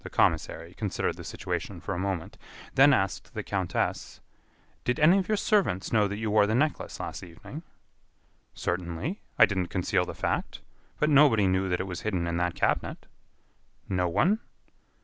The commissary considered the situation for a moment, then asked the countess: "Did any of your servants know that you wore the necklace last evening?" "Certainly; I didn't conceal the fact. But nobody knew that it was hidden in that cabinet." "No one?"